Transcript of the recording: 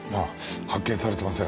発見されていません。